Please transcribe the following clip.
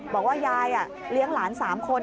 บอกว่ายายอ่ะเลี้ยงหลานสามคน